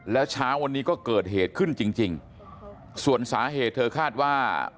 แล้วเช้าวันนี้ก็เกิดเหตุขึ้นจริงจริงส่วนสาเหตุเธอคาดว่า